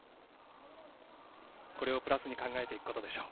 これをプラスに考えていくことでしょう。